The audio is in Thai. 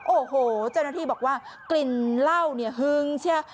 โอ้โหเจ้าหน้าที่บอกว่ากลิ่นเหล้าเนี่ยฮึงเชีย